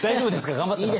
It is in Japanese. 頑張ってます？